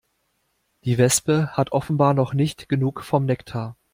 Die Wespe hat offenbar noch nicht genug vom Nektar.